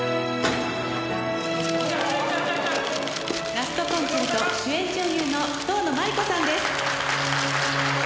「『ラスト・コンチェルト』主演女優の遠野麻理子さんです」